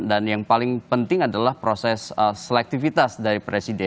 dan yang paling penting adalah proses selektifitas dari presiden